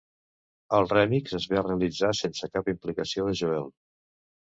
El remix es va realitzar sense cap implicació de Joel.